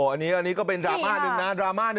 อันนี้ก็เป็นดราม่าหนึ่งนะ